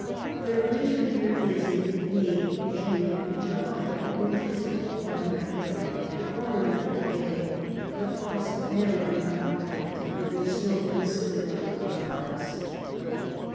Their Winter here is in May, June, and July, when 'tis cold by night, but warm enough by day, the Frost never being violent, nor the Snow considerable in those parts.